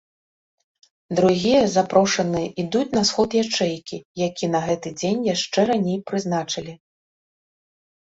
Другія запрошаныя ідуць на сход ячэйкі, які на гэты дзень яшчэ раней прызначылі.